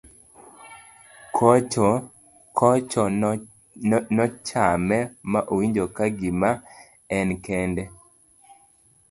kocho nochame ma owinjo ka gima en kende